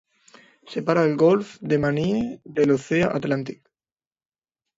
Separa el golf de Maine de l'oceà Atlàntic.